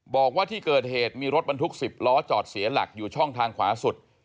บอกว่าที่เกิดเหตุมีรถบรรทุก๑๐ล้อจอดเสียหลักอยู่ช่องทางขวาสุด